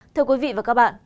thưa quý vị và các bạn